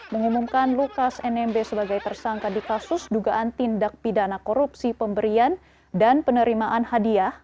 mengumumkan lukas nmb sebagai tersangka di kasus dugaan tindak pidana korupsi pemberian dan penerimaan hadiah